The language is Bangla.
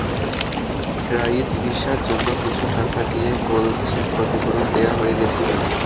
প্রায়ই চিকিৎসার জন্য কিছু টাকা দিয়ে বলছেন ক্ষতিপূরণ দেওয়া হয়ে গেছে।